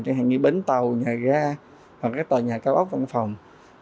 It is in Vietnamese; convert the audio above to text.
chẳng hạn như bến tàu nhà ga hoặc các tòa nhà cao ốc văn phòng